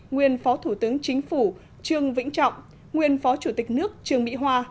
nguyên phó thủ tướng chính phủ trương vĩnh trọng nguyên phó chủ tịch nước trương mỹ hoa